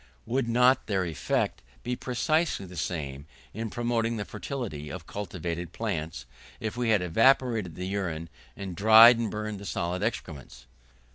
Would not their effect be precisely the same in promoting the fertility of cultivated plants, if we had evaporated the urine, and dried and burned the solid excrements?